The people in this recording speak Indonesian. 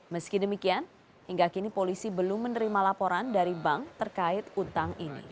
meski demikian hingga kini polisi belum menerima laporan dari bank terkait utang ini